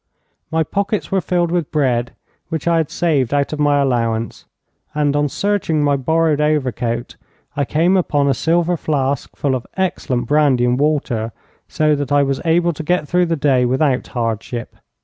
My pockets were filled with bread which I had saved out of my allowance, and on searching my borrowed overcoat I came upon a silver flask, full of excellent brandy and water, so that I was able to get through the day without hardship.